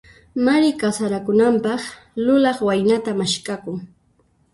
Mari kasarakunanpaq, lulaq waynata maskhakun.